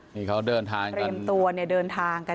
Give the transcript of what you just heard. นี่เขาเดินทางกันเตรียมตัวเดินทางกัน